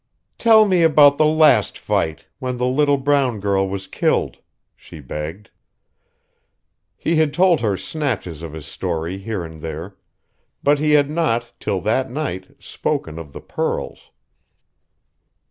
"Tell me about the last fight, when the little brown girl was killed," she begged. He had told her snatches of his story here and there; but he had not, till that night, spoken of the pearls.